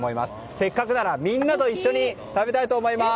せっかくなのでみんなと一緒に食べたいと思います！